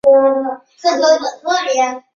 场的存在排除了真正的真空。